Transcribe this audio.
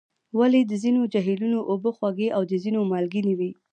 ولې د ځینو جهیلونو اوبه خوږې او د ځینو مالګینې وي؟